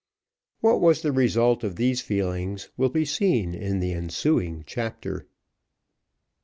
What was the result of these feelings will be seen in the ensuing chapter.